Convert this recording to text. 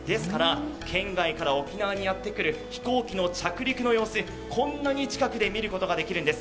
県外から沖縄にやってくる飛行機の着陸の様子、こんなに近くで見ることができるんです。